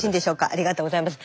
ありがとうございます。